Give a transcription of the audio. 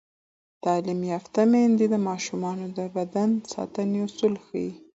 تعلیم یافته میندې د ماشومانو د بدن ساتنې اصول ښيي.